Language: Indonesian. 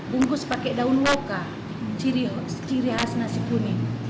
bungkus pakai daun loka ciri khas nasi kuning